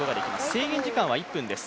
制限時間は１分です。